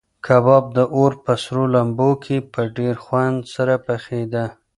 کباب د اور په سرو لمبو کې په ډېر خوند سره پخېده.